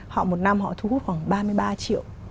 họ một năm họ thu hút khoảng ba mươi ba triệu